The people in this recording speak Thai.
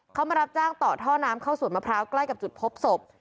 เขามารับจ้างต่อท่อน้ำเข้าสวนมะพร้าวใกล้กับจุดพบศพ